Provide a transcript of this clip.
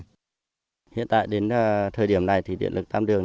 hiện tại đến thời điểm này thì điện lực tam đường